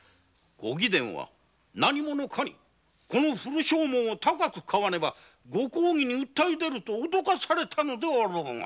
ご貴殿は何者かにこの古証文を高く買わねばご公儀に訴え出ると脅されたのであろう。